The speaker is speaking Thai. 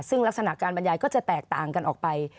ซึ่งลักษณะการบรรยายก็จะแตกต่างกันออกไป